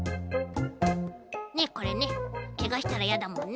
ねっこれねけがしたらやだもんね。